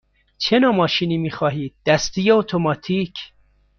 چه نوع ماشینی می خواهید – دستی یا اتوماتیک؟